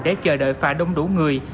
để chờ đợi phà đông đủ người